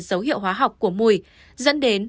dấu hiệu hóa học của mùi dẫn đến